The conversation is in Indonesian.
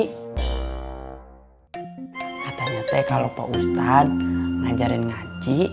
katanya teh kalau pak ustadz ngajarin ngaji